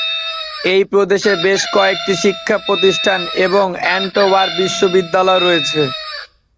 এই প্রদেশে বেশ কয়েকটি শিক্ষা প্রতিষ্ঠান এবং এন্টওয়ার্প বিশ্ববিদ্যালয় রয়েছে।